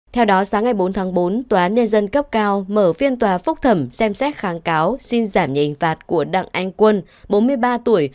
theo đó sáng ngày bốn tháng bốn tòa án nhân dân cấp cao mở phiên tòa phúc thẩm xem xét kháng cáo xin giảm nhì hình phạt của đặng anh quân bốn mươi ba tuổi